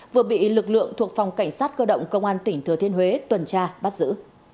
vừa bị lực lượng thuộc phòng cảnh sát cơ động công an tỉnh thừa thiên huế tuần tra bắt giữ